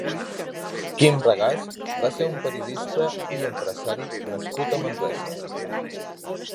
Quim Regàs va ser un periodista i empresari nascut a Manresa.